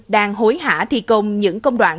đang hối hả thi công những công đoạn